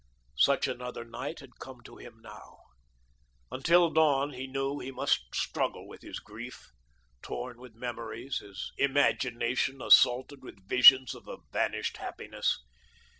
Such another night had come to him now. Until dawn he knew he must struggle with his grief, torn with memories, his imagination assaulted with visions of a vanished happiness.